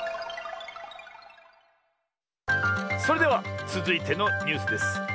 それではつづいてのニュースです。